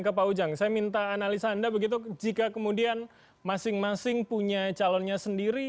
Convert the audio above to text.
ke pak ujang saya minta analisa anda begitu jika kemudian masing masing punya calonnya sendiri